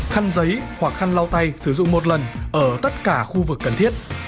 khăn giấy hoặc khăn lau tay sử dụng một lần ở tất cả khu vực cần thiết